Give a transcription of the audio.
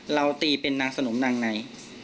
เราตีเป็นนางสนมนางใน